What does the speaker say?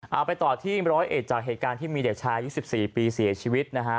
เอาไปต่อที่๑๐๑จากเหตุการณ์ที่มีเด็กชาย๒๔ปีเสียชีวิตนะฮะ